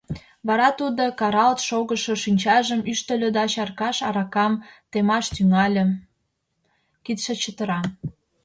Вара тудо каралт шогышо шинчажым ӱштыльӧ да чаркаш аракам темаш тӱҥале, кидше чытыра.